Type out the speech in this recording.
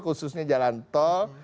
khususnya jalan tol